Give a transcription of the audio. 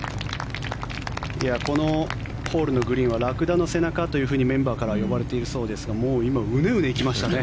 このホールのグリーンはラクダの背中とメンバーからは呼ばれているそうですがもう今、ウネウネ行きましたね